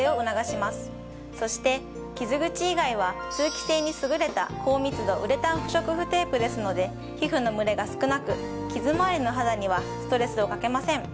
そしてキズぐち以外は通気性に優れた高密度ウレタン不織布テープですので皮膚の蒸れが少なくキズ周りの肌にはストレスをかけません。